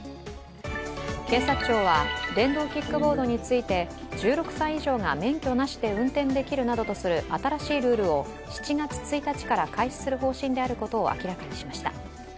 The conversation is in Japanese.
警察庁は電動キックボードについて１６歳以上が免許なしで運転できるなどとする新しいルールを７月１日から開始する方針であることを明らかにしました。